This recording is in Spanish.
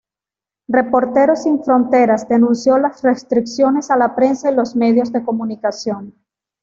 Reporteros sin Fronteras denunció las restricciones a la prensa y los medios de comunicación.